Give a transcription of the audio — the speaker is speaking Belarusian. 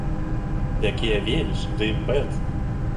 Якія веліч ды імпэт!